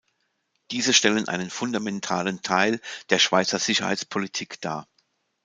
Diese stellen einen fundamentalen Teil der Schweizer Sicherheitspolitik dar.